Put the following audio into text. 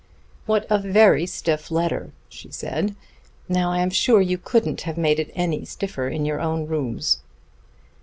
"What a very stiff letter!" she said. "Now I am sure you couldn't have made it any stiffer in your own rooms."